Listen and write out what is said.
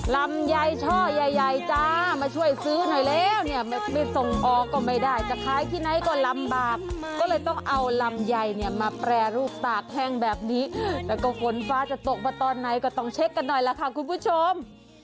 ลำไยช่อใหญ่จ้ามาช่วยซื้อหน่อยแล้วเนี่ยไม่ส่งออกก็ไม่ได้จะขายที่ไหนก็ลำบากก็เลยต้องเอาลำไยเนี่ยมาแปรรูปตากแห้งแบบนี้แล้วก็ฝนฟ้าจะตกมาตอนไหนก็ต้องเช็คกันหน่อยล่ะค่ะคุณผู้ชม